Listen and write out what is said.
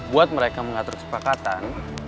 buat mereka mengatur kesepakatan